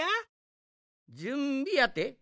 じゅんびやて？